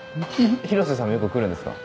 広瀬さんもよく来るんですか？